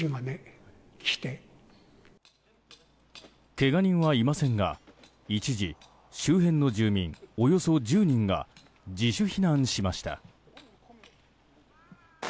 けが人はいませんが一時、周辺の住民およそ１０人が自主避難しました。